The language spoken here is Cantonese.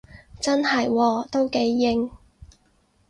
真係喎，都幾型